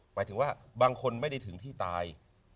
หมายถึงว่าบางคนไม่ได้ถึงที่ตาย